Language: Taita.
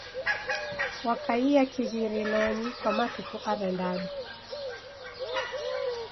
Wakaie kighirilonyi kwa matuku arandadu.